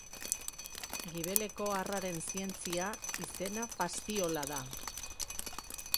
Gibeleko harraren zientzia izena Fasciola da.